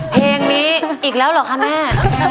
เพลงนี้อีกแล้วเหรอคะแม่